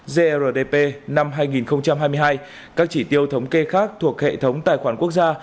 grdp năm hai nghìn hai mươi hai các chỉ tiêu thống kê khác thuộc hệ thống tài khoản quốc gia